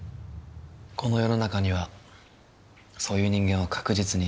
この世の中にはそういう人間は確実にいる。